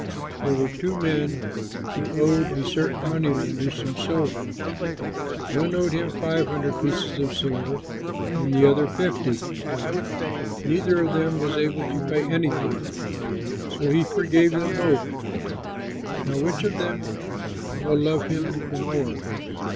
"There were two men who owed a certain money lender some silver: one owed him five hundred silver pieces and the other fifty. Neither of them was able to pay anything; so he forgave them both. Now which of them will love him the more?"